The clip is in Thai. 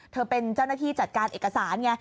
เธอเป็นเจ้าหน้าที่จัดการเอกสารไง